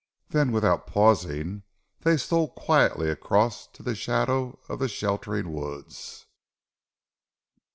Then without pausing they stole quietly across to the shadow of the sheltering woods.